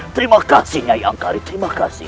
terima kasih nyai angkari terima kasih